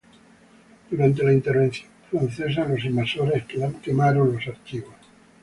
Durante la Intervención Francesa, los invasores quemaron los archivos.